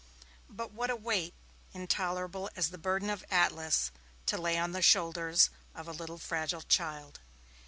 But what a weight, intolerable as the burden of Atlas, to lay on the shoulders of a little fragile child!